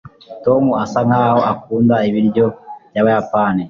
tom asa nkaho akunda ibiryo byabayapani